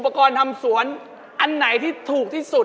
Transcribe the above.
อุปกรณ์ทำสวนชนิดใดราคาถูกที่สุด